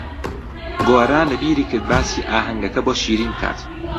گۆران لەبیری کرد باسی ئاهەنگەکە بۆ شیرین بکات.